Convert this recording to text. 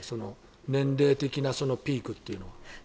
年齢的なピークというのは。